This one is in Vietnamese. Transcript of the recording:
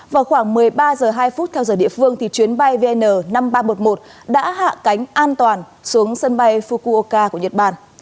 vào khoảng một mươi ba h hai theo giờ địa phương chuyến bay vn năm nghìn ba trăm một mươi một đã hạ cánh an toàn xuống sân bay fukuoka của nhật bản